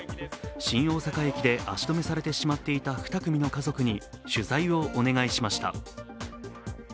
新大阪駅で足止めされてしまっていた２組の家族に取材をお願いました。